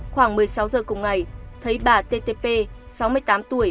khoảng một mươi sáu giờ cùng ngày thấy bà ttp sáu mươi tám tuổi